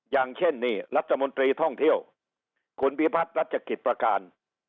อย่างเช่นนี่รัฐมนตรีท่องเที่ยวคุณพิพัฒน์รัชกิจประการ